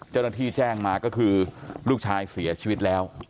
เจ้าหน้าที่แจ้งมาก็คือลูกชายเสียชีวิตแล้ว